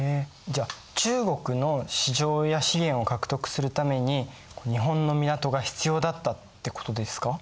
じゃあ中国の市場や資源を獲得するために日本の港が必要だったってことですか？